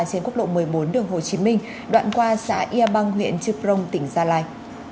trên quốc lộ một mươi bốn đường hồ chí minh đoạn qua xã yerbang huyện chư prong tỉnh gia lai